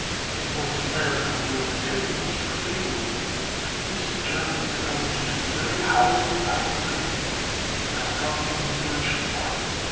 In North America, where materials were favorable, this germ developed into the very highest type of canoe—the Algonkin birch bark.